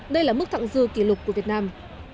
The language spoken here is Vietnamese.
đây là mức thẳng dư kỷ lục của việt nam